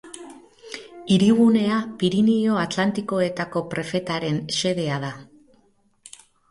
Hirigunea Pirinio Atlantikoetako prefetaren xedea da.